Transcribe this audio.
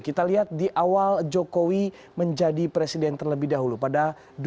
kita lihat di awal jokowi menjadi presiden terlebih dahulu pada dua ribu sembilan belas